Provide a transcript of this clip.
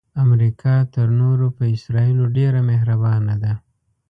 امریکا تر نورو په اسراییلو ډیره مهربانه ده.